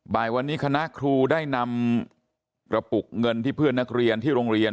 บ่ายวันนี้คณะครูได้นำกระปุกเงินที่เพื่อนนักเรียนที่โรงเรียน